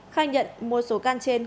khai nhận một số can trên